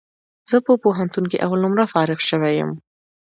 زه په پوهنتون کي اول نمره فارغ سوی یم